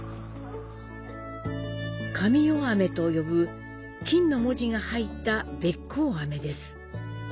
「加美代飴」と呼ぶ金の文字が入ったべっ甲飴です。